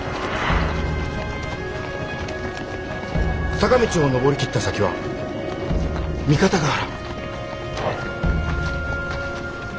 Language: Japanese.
坂道を上り切った先は三方ヶ原。